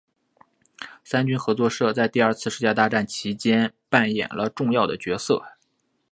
三军合作社在第二次世界大战其间扮演了重要的角色。